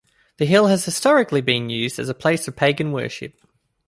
The hill has historically been used as a place of pagan worship.